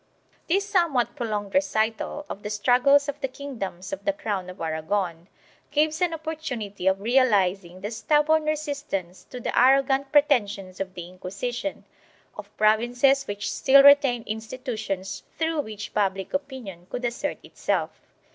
This somewhat prolonged recital of the struggles of the king doms of the Crown of Aragon gives an opportunity of realizing the stubborn resistance, to the arrogant pretensions of the Inqui sition, of provinces which still retained institutions through which public opinion could assert itself.